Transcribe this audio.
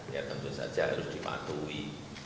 ya tentu saja harus dipatuhi